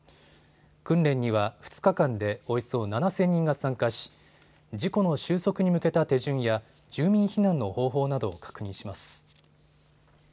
訓練には２日間でおよそ７０００人が参加し、事故の収束に向けた手順や住民避難の方法などを確認します。